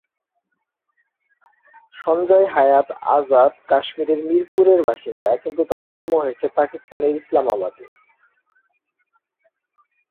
শঞ্জয় হায়াৎ আজাদ কাশ্মীরের মিরপুরের বাসিন্দা, কিন্তু তার জন্ম হয়েছে পাকিস্তানের ইসলামাবাদে।